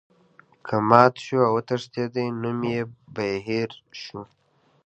که مات شو او وتښتیدی نوم به یې هیر شو.